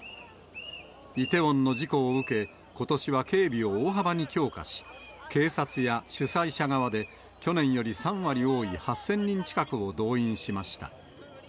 イテウォンの事故を受け、ことしは警備を大幅に強化し、警察や主催者側で、去年より３割多い８０００人近くを動員しました。